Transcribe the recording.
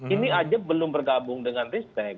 ini aja belum bergabung dengan ristek